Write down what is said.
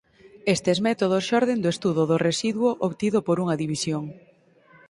Estes métodos xorden do estudo do residuo obtido por unha división.